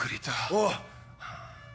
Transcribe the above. おう！